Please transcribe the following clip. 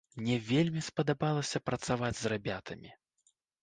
Мне вельмі спадабалася працаваць з рабятамі.